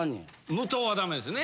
無糖はダメですね。